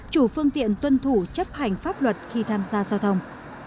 chủ phương tiện tuân thủ chấp hành pháp luật khi tham gia giao thông